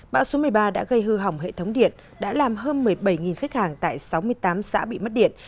bão số một mươi ba đã gây hư hỏng hệ thống điện đã làm hơn một mươi bảy khách hàng tại sáu mươi tám xã bị mất điện